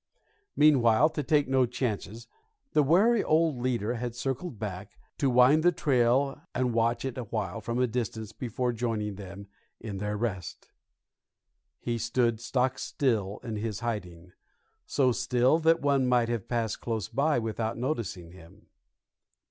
Meanwhile, to take no chances, the wary old leader had circled back, to wind the trail and watch it awhile from a distance before joining them in their rest. He stood stock still in his hiding, so still that one might have passed close by without noticing him.